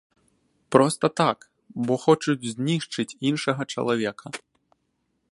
Проста так, бо хочуць знішчыць іншага чалавека.